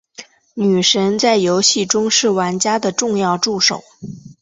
女神在游戏中是玩家的重要助手。